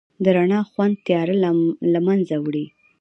د رڼا خوند تیاره لمنځه وړي.